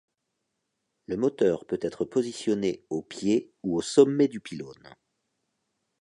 Le moteur peut être positionné au pied ou au sommet du pylône.